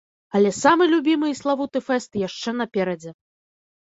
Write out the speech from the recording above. Але самы любімы і славуты фэст яшчэ наперадзе.